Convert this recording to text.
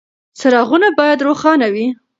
څراغونه باید روښانه وي.